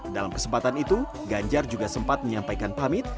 dalam kesempatan itu ganjar juga sempat menyampaikan pamit